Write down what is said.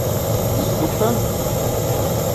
Testufam?